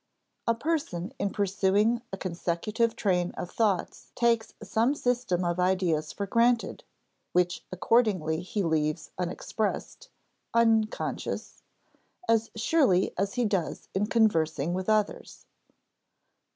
A person in pursuing a consecutive train of thoughts takes some system of ideas for granted (which accordingly he leaves unexpressed, "unconscious") as surely as he does in conversing with others.